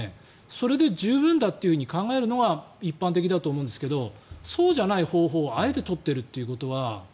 それで十分だと考えるのが一般的だと思うんですけどそうじゃない方法をあえて取っているということは。